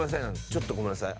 ちょっとごめんなさい。